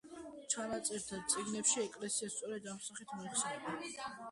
ჩანაწერთა წიგნებში ეკლესია სწორედ ამ სახით მოიხსენიება.